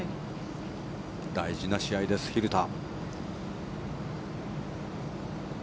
大事な試合です、蛭田。